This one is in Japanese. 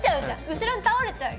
後ろに倒れちゃうよ。